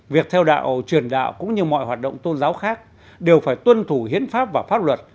việc theo đạo truyền đạo cũng như mọi hoạt động tôn giáo khác đều phải tuân thủ hiến pháp và pháp luật